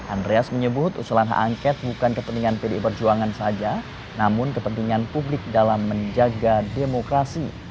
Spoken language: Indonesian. andreas menyebut usulan hak angket bukan kepentingan pdi perjuangan saja namun kepentingan publik dalam menjaga demokrasi